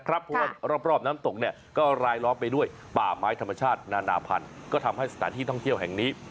ระบบน้ำตกก็ลายร้อมไปด้วยป่าไม้ธรรมชาติภาพเที่ยวก็ทำให้สถานที่ท่องเที่ยวแห่งนี้